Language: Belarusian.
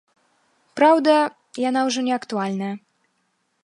Праўда, яна ўжо не актуальная.